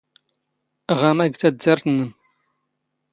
ⵖⴰⵎⴰ ⴳ ⵜⴰⴷⴷⴰⵔⵜ ⵏⵏⵎ.